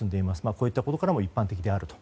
こういったことからも一般的だと。